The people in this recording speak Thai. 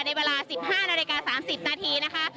ในเวลา๑๕นาฬิกา๓๐นาทีนะคะ